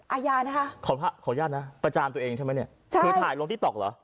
อาญานะคะขออนุญาตนะประจานตัวเองใช่ไหมเนี่ยใช่คือถ่ายลงติ๊กต๊อกเหรอ